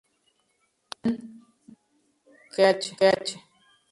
En "Kh.